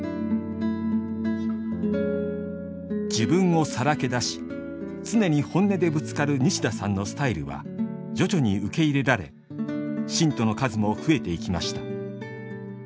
自分をさらけ出し常に本音でぶつかる西田さんのスタイルは徐々に受け入れられ信徒の数も増えていきました。